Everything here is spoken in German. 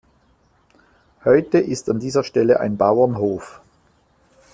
Heute ist an dieser Stelle ein Bauernhof.